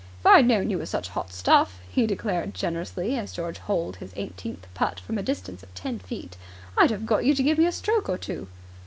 "If I'd known you were such hot stuff," he declared generously, as George holed his eighteenth putt from a distance of ten feet, "I'd have got you to give me a stroke or two."